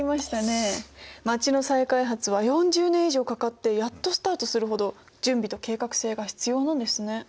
街の再開発は４０年以上かかってやっとスタートするほど準備と計画性が必要なんですね。